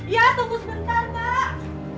ya tunggu sebentar mbak